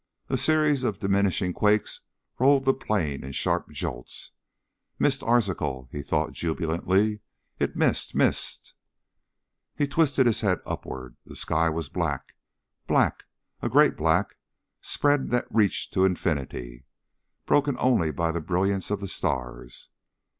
A series of diminishing quakes rolled the plain in sharp jolts. Missed Arzachel, he thought jubilantly. It missed ... missed. He twisted his head upward. The sky was black, black, a great black spread that reached to infinity, broken only by the brilliance of the stars.